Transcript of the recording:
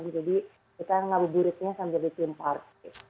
jadi kita ngabuburitnya sampai di theme park